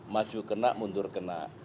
maju kena mundur kena